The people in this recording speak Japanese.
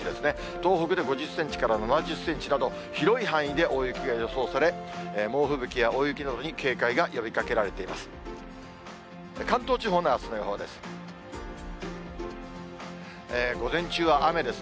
東北で５０センチから７０センチなど、広い範囲で大雪が予想され、猛吹雪や大雪などに警戒が呼びかけられています。